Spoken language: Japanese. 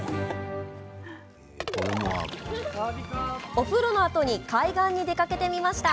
お風呂のあとに海岸に出かけてみました。